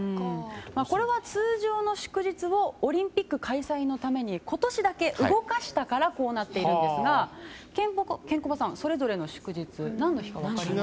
これは通常の祝日をオリンピック開催のために今年だけ動かしたからこうなっているんですがケンコバさんそれぞれの祝日何の日か分かりますか？